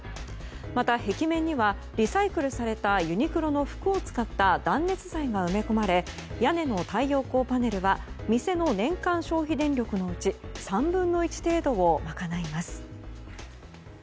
また壁面にはリサイクルされたユニクロの服を使った断熱材が埋め込まれ屋根の太陽光パネルは店の年間消費電力のうち３分の１程度を賄います。